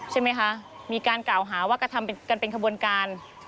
ใช่ไหมคะมีการกล่าวหาว่ากระทำกันเป็นขบวนการ